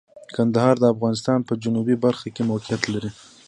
کندهار د افغانستان په جنوبی برخه کې موقعیت لري.